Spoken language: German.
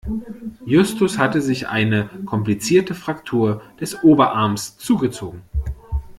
Justus hatte sich eine komplizierte Fraktur des Oberarms zugezogen.